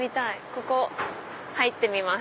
ここ入ってみます。